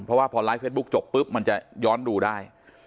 เพราะว่าพอไลฟ์เฟซบุ๊คจบปุ๊บมันจะย้อนดูได้